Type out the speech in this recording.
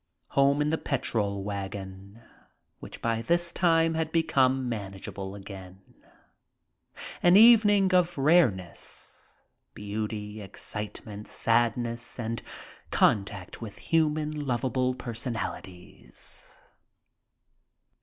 Home in the petrol wagon, which by this time had become, manageable again. An evening of rareness. Beauty, excite ment, sadness and contact with human, lovable personalities.